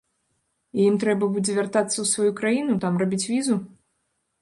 І ім трэба будзе вяртацца ў сваю краіну, там рабіць візу?